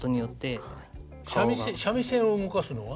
三味線を動かすのは。